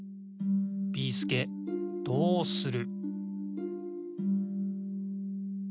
ビーすけどうする！？